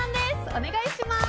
お願いします。